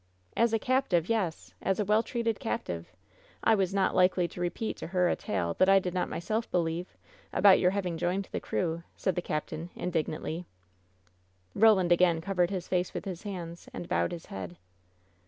"As a captive, yes! as a well treated captive! I was not likely to repeat to her a tale that I did not myself believe, about your having joined the crew," laid the captain, indignantly. 96 WHEN SHADOWS DIE Boland again covered his face with his hands, and bowed his head.